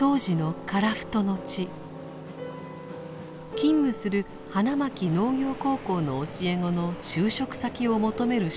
勤務する花巻農業高校の教え子の就職先を求める出張とされました。